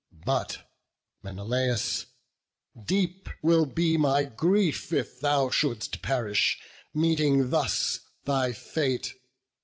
But, Menelaus, deep will be my grief, If thou shouldst perish, meeting thus thy fate.